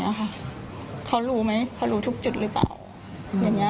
มาไปคุณพิมพ์เรียนการที่นี่